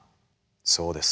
そうです。